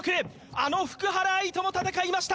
あの福原愛とも戦いました